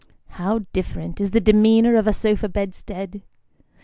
How different is the demeanour of a sofa bedstead